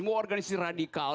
semua organisasi radikal